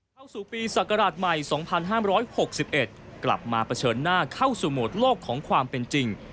เข้าสู่ปีศักราชใหม่๒๕๖๑กลับมาเผชิญหน้าเข้าสู่โหมดโลกของความเป็นจริง